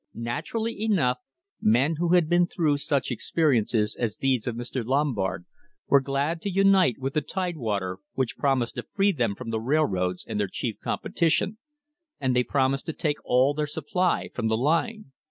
Naturally enough, men who had been through such experi ences as these of Mr. Lombard were glad to unite with the Tidewater, which promised to free them from the railroads and their chief competition, and they promised to take all their supply from the line.